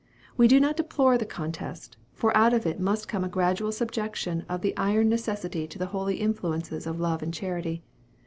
We do not deplore the contest; for out of it must come a gradual subjection of the iron necessity to the holy influences of love and charity.